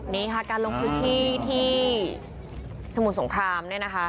นี่ค่ะการลงพื้นที่ที่สมุทรสงครามเนี่ยนะคะ